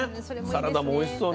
サラダもおいしそうね。